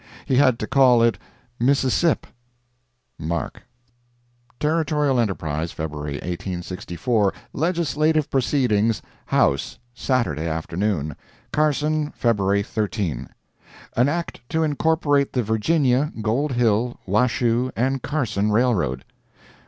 He had to call it "Mississip"!—MARK.] Territorial Enterprise, February 1864 LEGISLATIVE PROCEEDINGS HOUSE—SATURDAY AFTERNOON CARSON, February 13 An Act to incorporate the Virginia, Gold Hill, Washoe and Carson railroad.